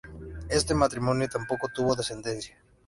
Este matrimonio tampoco tuvo descendencia.